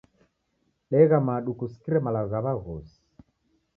Degha madu kusikire malagho gha w'aghosi.